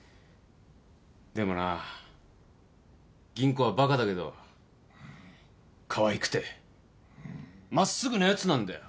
でもな吟子はバカだけどかわいくて真っすぐなやつなんだよ。